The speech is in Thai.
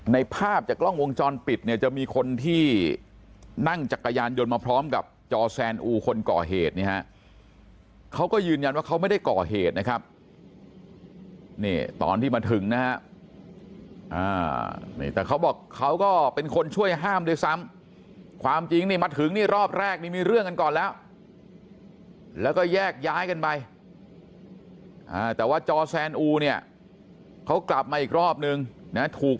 ในภาพจากกล้องวงจรปิดเนี่ยจะมีคนที่นั่งจักรยานยนต์มาพร้อมกับจแซนอูคนก่อเหตุเนี่ยเขาก็ยืนยันว่าเขาไม่ได้ก่อเหตุนะครับในภาพจากกล้องวงจรปิดเนี่ยจะมีคนที่นั่งจักรยานยนต์มาพร้อมกับจแซนอูคนก่อเหตุเนี่ยเขาก็ยืนยันว่าเขาไม่ได้ก่อเหตุนะครับในภาพจากกล้องวงจรปิดเนี่ยจะมีคน